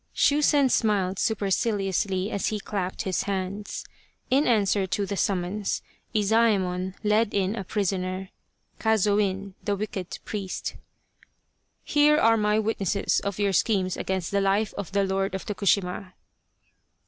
Shusen smiled superciliously as he clapped his hands. In answer to the summons, Izaemon led in a prisoner, Kazoin, the wicked priest. " Here are my witnesses of your schemes against the life of the Lord of Tokushima."